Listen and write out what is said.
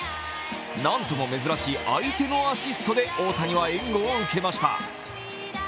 なんとも珍しい相手のアシストで大谷は援護を受けました。